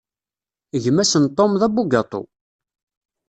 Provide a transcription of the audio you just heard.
Gma-s n Tom, d abugaṭu.